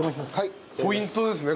ポイントですね